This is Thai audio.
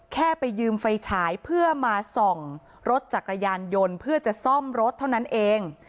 แค่ไปยืมไฟฉายเพื่อมาส่องรถจักรยานยนต์เพื่อจะซ่อมรถเท่านั้นเอง